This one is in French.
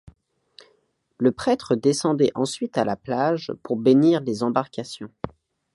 Le prêtre descendait ensuite à la plage pour bénir les embarcations.